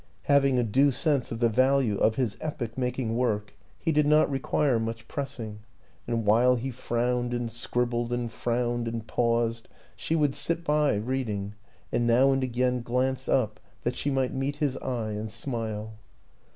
Having a due sense of the value of his epoch making work, he did not require much pressing; and while he frowned and scrib bled and frowned and paused, she would sit by reading, and now and again glance up that she might meet his eye and smile.